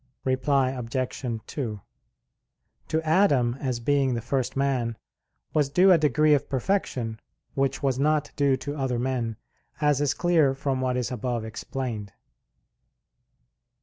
Reply Obj. 2: To Adam, as being the first man, was due a degree of perfection which was not due to other men, as is clear from what is above explained.